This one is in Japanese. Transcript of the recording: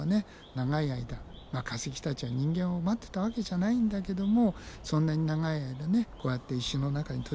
長い間化石たちは人間を待ってたわけじゃないんだけどもそんなに長い間ねこうやって石の中に閉じ込められていたならば